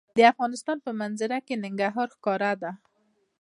د افغانستان په منظره کې ننګرهار ښکاره ده.